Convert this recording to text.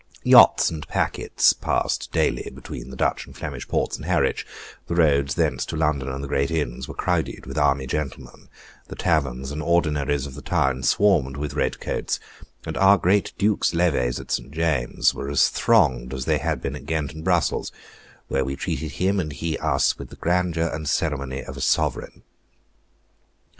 Yachts and packets passed daily between the Dutch and Flemish ports and Harwich; the roads thence to London and the great inns were crowded with army gentlemen; the taverns and ordinaries of the town swarmed with red coats; and our great Duke's levees at St. James's were as thronged as they had been at Ghent and Brussels, where we treated him, and he us, with the grandeur and ceremony of a sovereign.